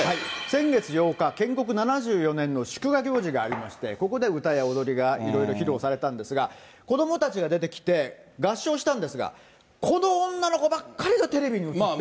先月８日、建国７４年の祝賀行事がありまして、ここで歌や踊りがいろいろ披露されたんですが、子どもたちが出てきて、合唱したんですが、この女の子ばっかりがテレビに映って。